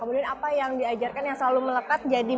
kemudian apa yang diajarkan yang selalu melekat jadi mbak dewi sendiri